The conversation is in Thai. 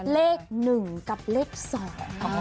เลขหนึ่งกับเลขสอง